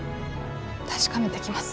確かめてきます。